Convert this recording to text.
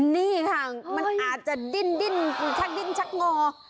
นี่ค่ะมันอาจจะดิ้นชักดิ้นชักงอ